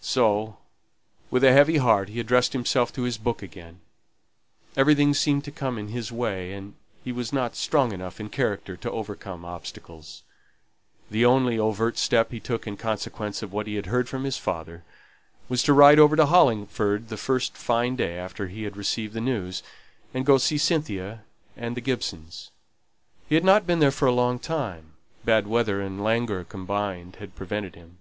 So with a heavy heart he addressed himself to his book again. Everything seemed to come in his way, and he was not strong enough in character to overcome obstacles. The only overt step he took in consequence of what he had heard from his father, was to ride over to Hollingford the first fine day after he had received the news, and go to see Cynthia and the Gibsons. He had not been there for a long time; bad weather and languor combined had prevented him.